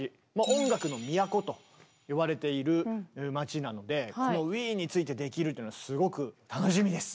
「音楽の都」といわれている街なのでこのウィーンについてできるというのはすごく楽しみです！